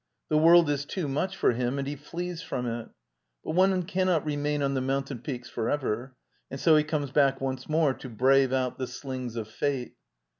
The world is too much foFHim sm^ he flees from it . But one cannot feriiairi oh the moun tain peaks forever, and so he comes back once more to brave out the slings of fate.